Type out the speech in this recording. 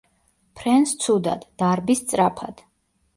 ფრენს ცუდად, დარბის სწრაფად.